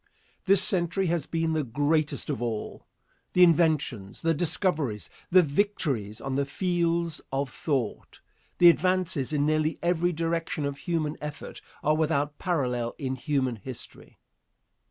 This century has been the greatest of all. The inventions, the discoveries, the victories on the fields of thought, the advances in nearly every direction of human effort are without parallel in human history.